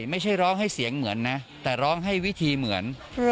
ไม่ใช่ร้องให้เสียงเหมือนนะแต่ร้องให้วิธีเหมือน